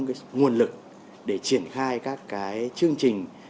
cái nguồn lực để triển khai các cái chương trình